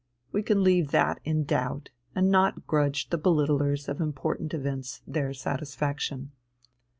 We can leave that in doubt, and not grudge the belittlers of important events their satisfaction.